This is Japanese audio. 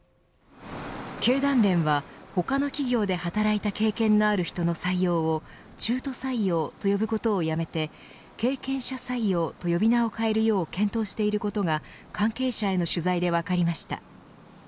経団連は他の企業で働いた経験のある人の採用を中途採用と呼ぶことをやめて経験者採用と呼び名を変えるよう検討していることが関係者への取材で分かりました。